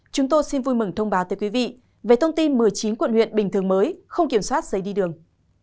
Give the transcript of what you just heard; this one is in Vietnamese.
chúng tôi xin vui mừng thông báo tới quý vị về thông tin một mươi chín quận huyện bình thường mới không kiểm soát giấy đi đường